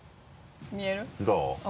見える？どう？